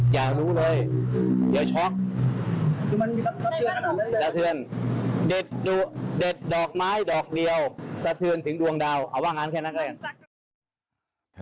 อยากรู้เลยอยากช็อกเด็ดดอกไม้ดอกเดียวสะเทือนถึงดวงดาวเอาว่างานแค่นั้นแค่นั้น